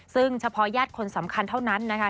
ซึ่งเฉพาะญาติคนสำคัญเท่านั้นนะคะ